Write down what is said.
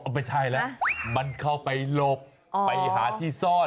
ไม่ใช่แล้วมันเข้าไปหลบไปหาที่ซ่อน